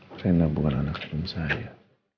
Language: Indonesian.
klenda bukan anak anak saya